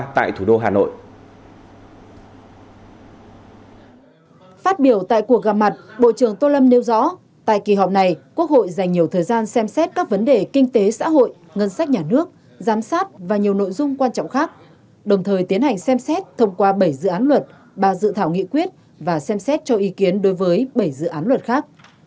tại kỳ họp này quốc hội dành nhiều thời gian xem xét các vấn đề kinh tế xã hội ngân sách nhà nước giám sát và nhiều nội dung quan trọng khác đồng thời tiến hành xem xét thông qua bảy dự án luật ba dự thảo nghị quyết và xem xét cho ý kiến đối với bảy dự án luật khác